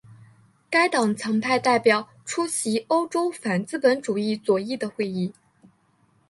该党曾派代表出席欧洲反资本主义左翼的会议。